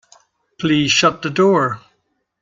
Please shut the door.